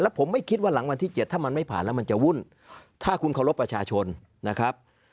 ผมไม่คิดว่าหลังวันที่๗ถ้ามันไม่ผ่านแล้วมันจะวุ่นถ้าคุณเคารพประชาชนนะครับ